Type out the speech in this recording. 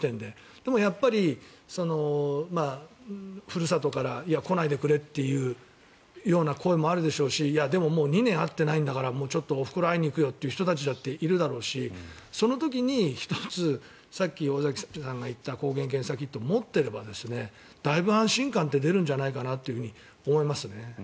でも、やっぱりふるさとから来ないでくれというような声もあるでしょうしでも２年会ってないんだからおふくろ会いに行くよという人たちだっているだろうし、その時に１つさっき尾崎さんが言った抗原検査キットを持っていればだいぶ安心感は出るんじゃないかと思いますね。